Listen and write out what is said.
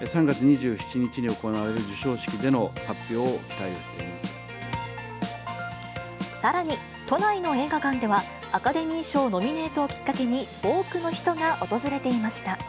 ３月２７日に行われる授賞式でのさらに、都内の映画館では、アカデミー賞ノミネートをきっかけに、多くの人が訪れていました。